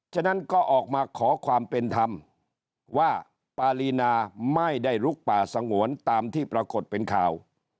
ฉะนั้นก็ออกมาขอความเป็นธรรมว่าปารีนาไม่ได้ลุกป่าสงวนตามที่ปรากฏเป็นข่าว